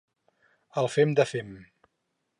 El fem de fem.